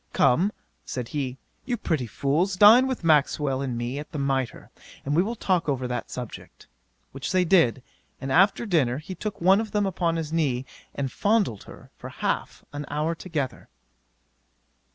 "Come, (said he,) you pretty fools, dine with Maxwell and me at the Mitre, and we will talk over that subject;" which they did, and after dinner he took one of them upon his knee, and fondled her for half an hour together.